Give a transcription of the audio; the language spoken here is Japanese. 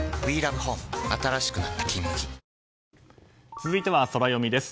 続いてはソラよみです。